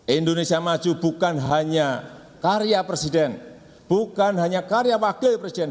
indonesia maju bukan hanya karya presiden bukan hanya karya wakil presiden